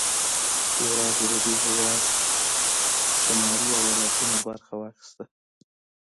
یوازې د دې هېواد شلي ایالتونو برخه واخیسته.